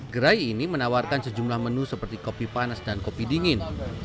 gerai ini menawarkan sejumlah menu seperti kopi panas dan kopi dingin